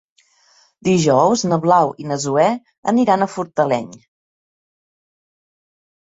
Dijous na Blau i na Zoè aniran a Fortaleny.